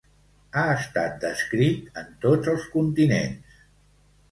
Ha estat descrit en tots els continents.